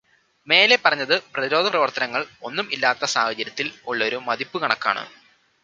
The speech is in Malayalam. മേലെ പറഞ്ഞത് പ്രതിരോധപ്രവർത്തനങ്ങൾ ഒന്നും ഇല്ലാത്ത സാഹചര്യത്തിൽ ഉള്ള ഒരു മതിപ്പുകണക്കാണ്.